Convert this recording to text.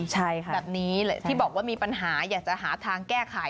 ใช่ค่ะแบบนี้ที่บอกว่ามีปัญหาอยากจะหาทางแก้ไข